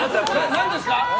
何ですか？